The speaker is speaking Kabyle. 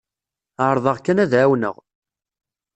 Ɛerḍeɣ kan ad ɛawneɣ.